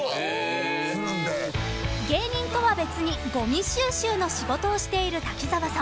［芸人とは別にごみ収集の仕事をしている滝沢さん］